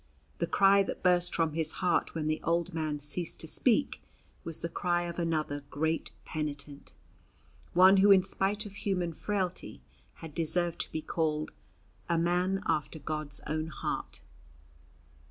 The cry that burst from his heart when the old man ceased to speak was the cry of another great penitent one who in spite of human frailty had deserved to be called a "man after God's own heart."